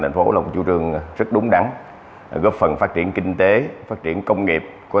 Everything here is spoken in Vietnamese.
thành phố là một chủ trương rất đúng đắn góp phần phát triển kinh tế phát triển công nghiệp của